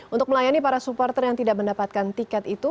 untuk melayani para supporter yang tidak mendapatkan tiket itu